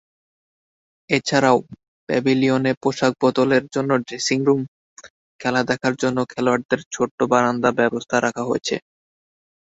এছাড়াও, প্যাভিলিয়নে পোশাক বদলের জন্য ড্রেসিং রুম, খেলা দেখার জন্য খেলোয়াড়দের ছোট্ট বারান্দার ব্যবস্থা রাখা হয়েছে।